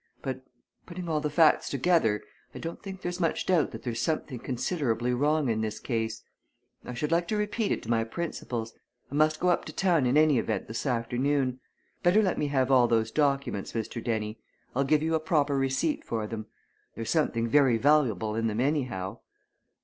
But putting all the facts together I don't think there's much doubt that there's something considerably wrong in this case. I should like to repeat it to my principals I must go up to town in any event this afternoon. Better let me have all those documents, Mr. Dennie I'll give you a proper receipt for them. There's something very valuable in them, anyhow."